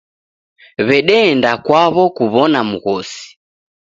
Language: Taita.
W'edeenda kwaw'o kuw'ona mghosi.